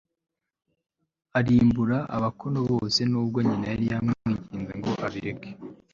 arimbura abakono bose n'ubwo nyina yari yamwinginze ngo abareke